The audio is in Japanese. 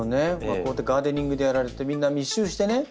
こうやってガーデニングでやられてみんな密集してね。